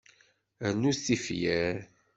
Rrnut tifyar.